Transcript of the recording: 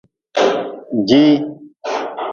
Jihii.